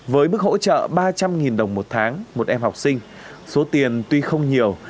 với mức hỗ trợ ba trăm linh đồng một tháng một em học sinh số tiền tuy không nhiều